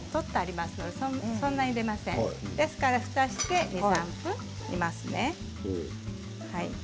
ですので、ふたをして２、３分煮ますね。